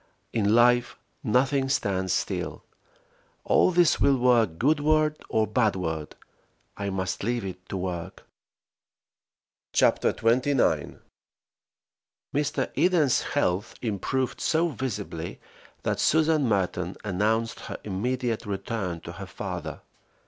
In life nothing stands still; all this will work goodward or badward. I must leave it to work. CHAPTER XXIX. MR. EDEN'S health improved so visibly that Susan Merton announced her immediate return to her father.